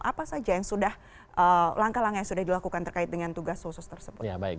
apa saja yang sudah langkah langkah yang sudah dilakukan terkait dengan tugas khusus tersebut